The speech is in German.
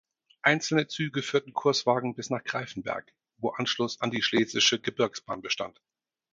Einzelne Züge führten Kurswagen bis nach Greiffenberg, wo Anschluss an die Schlesische Gebirgsbahn bestand.